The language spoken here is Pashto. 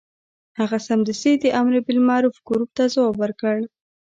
هغه سمدستي د امر بالمعروف ګروپ ته ځواب ورکړ.